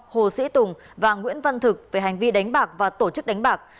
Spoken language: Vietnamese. hồ sĩ tùng và nguyễn văn thực về hành vi đánh bạc và tổ chức đánh bạc